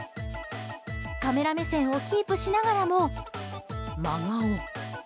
カメラ目線をキープしながらも真顔。